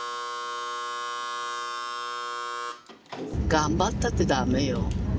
頑張ったってダメよ。